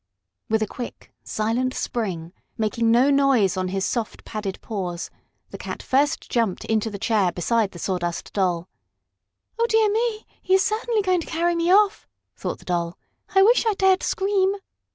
With a quick, silent spring, making no noise on his soft, padded paws, the cat first jumped into the chair beside the Sawdust Doll. "Oh, dear me, he certainly is going to carry me off!" thought the Doll. "I wish I dared scream!"